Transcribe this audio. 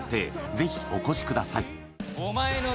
ぜひお越しください